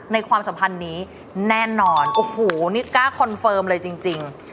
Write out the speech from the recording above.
ความสัมพันธ์นี้แน่นอนโอ้โหนี่กล้าคอนเฟิร์มเลยจริง